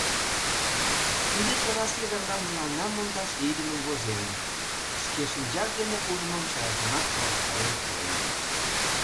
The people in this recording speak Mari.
Тиде торасе верлам мыланна мондаш лийдымын возен, шке шинчаж дене ужмым чылажымат каласкален пуэн.